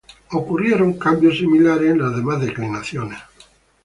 Cambios similares ocurrieron en las demás declinaciones.